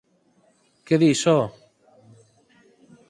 Que dis, ho?